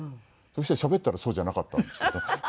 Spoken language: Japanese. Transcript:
そしたらしゃべったらそうじゃなかったんですけどね。